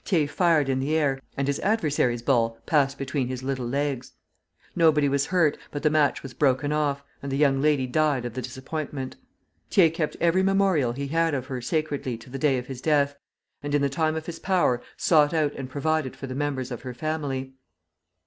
Thiers fired in the air, and his adversary's ball passed between his little legs. Nobody was hurt, but the match was broken off, and the young lady died of the disappointment. Thiers kept every memorial he had of her sacredly to the day of his death, and in the time of his power sought out and provided for the members of her family.